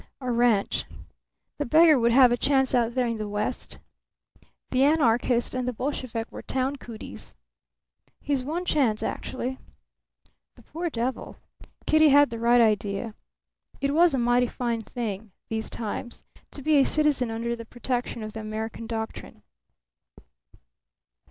A ranch. The beggar would have a chance out there in the West. The anarchist and the Bolshevik were town cooties. His one chance, actually. The poor devil! Kitty had the right idea. It was a mighty fine thing, these times, to be a citizen under the protection of the American doctrine.